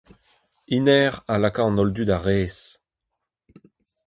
Hennezh a laka an holl dud a-rez.